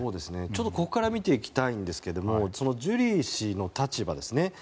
ここから見ていきたいんですがジュリー氏の立場ですね。